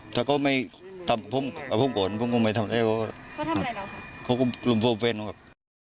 แต่ก็ไม่ทำพวกพวกกลุ่มไปทำอะไรเขาทำอะไรแล้วครับเขากลุ่มกลุ่มเพื่อนครับ